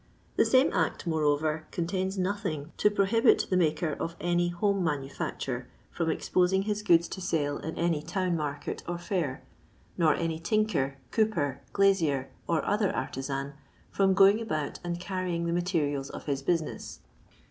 The same Act, moreover, contains nothing to prohibit the maker of any home manufacture from exposing his goods to sale in any town market or fair, nor any tinker, cooper, glazier, or other artizan, from going about and carrying the materials of his business.